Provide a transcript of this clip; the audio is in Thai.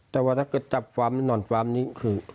แต่ว่าถ้าเกิดจับความนอนความนี้คือ